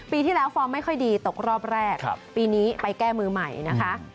ปีที่แล้วฟอร์มไม่ค่อยดีตกรอบแรกปีนี้ไปแก้มือใหม่นะคะ